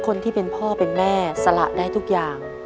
คนที่เป็นพ่อเป็นแม่สละได้ทุกอย่าง